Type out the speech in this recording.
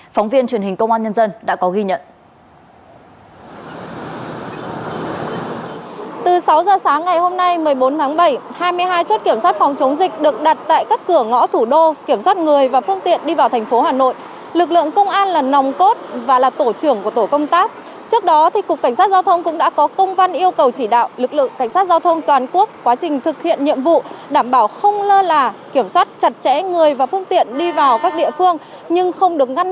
phóng viên truyền hình công an nhân dân đã có ghi nhận